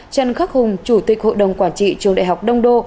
trần khắc hùng chủ tịch hội đồng quản trị trường đại học đông đô